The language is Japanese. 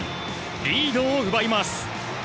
リードを奪います。